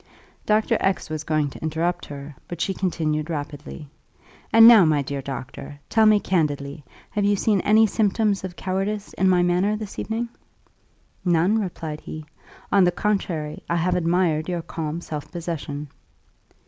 '" Dr. X was going to interrupt her, but she continued rapidly, "And now, my dear doctor, tell me candidly, have you seen any symptoms of cowardice in my manner this evening?" "None," replied he. "On the contrary, I have admired your calm self possession."